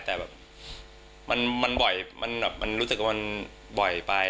แต่แบบมันบ่อยมันแบบมันรู้สึกว่ามันบ่อยไป